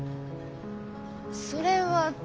それは。